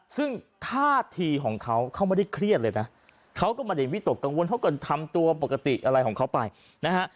ซึ่งท่าทีของเขาเขาไม่ได้เครียดเลยนะเขาก็ไม่ได้วิตกกังวลเขาก็ทำตัวปกติอะไรของเขาไปนะฮะ